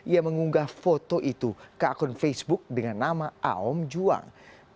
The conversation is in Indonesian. ia mengunggah foto itu ke akun facebook dengan nama aom juang